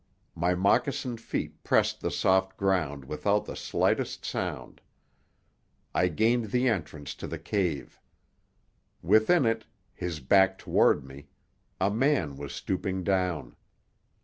My moccasined feet pressed the soft ground without the slightest sound. I gained the entrance to the cave. Within it, his back toward me, a man was stooping down.